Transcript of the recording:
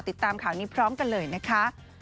ติดตามข่าวนี้พร้อมกันเลยนะคะ